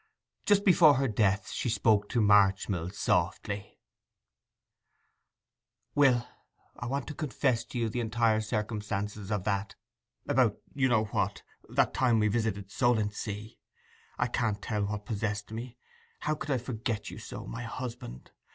Just before her death she spoke to Marchmill softly: 'Will, I want to confess to you the entire circumstances of that—about you know what—that time we visited Solentsea. I can't tell what possessed me—how I could forget you so, my husband!